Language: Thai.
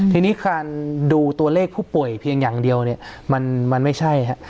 ทีนี้การดูตัวเลขผู้ป่วยเพียงอย่างเดียวเนี่ยมันไม่ใช่ฮะ